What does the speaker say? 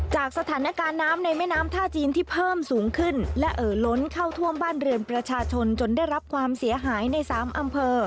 จากสถานการณ์น้ำในแม่น้ำท่าจีนที่เพิ่มสูงขึ้นและเอ่อล้นเข้าท่วมบ้านเรือนประชาชนจนได้รับความเสียหายในสามอำเภอ